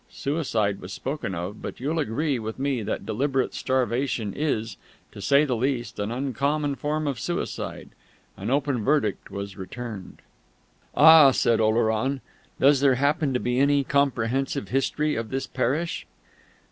Suicide was spoken of, but you'll agree with me that deliberate starvation is, to say the least, an uncommon form of suicide. An open verdict was returned." "Ah!" said Oleron.... "Does there happen to be any comprehensive history of this parish?"